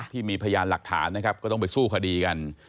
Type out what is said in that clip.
ที่มีพยานหลักฐานก็ต้องไปสู้คดีกัน